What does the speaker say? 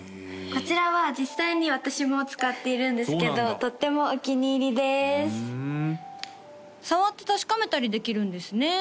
こちらは実際に私も使っているんですけどとってもお気に入りですふん触って確かめたりできるんですね